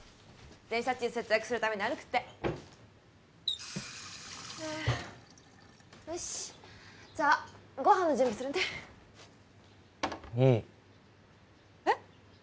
電車賃節約するために歩くってでよしじゃあご飯の準備するねいいえっ？